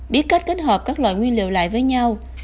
biết cách kết hợp các loại nguyên liệu lại với nhau